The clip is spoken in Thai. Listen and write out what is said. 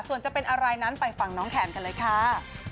ส่วนจะเป็นอะไรนั้นไปฟังน้องแขมกันเลยค่ะ